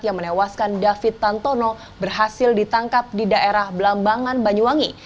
yang menewaskan david tantono berhasil ditangkap di daerah belambangan banyuwangi